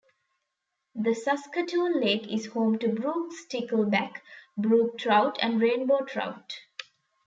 The Saskatoon Lake is home to brook stickleback, brook trout and rainbow trout.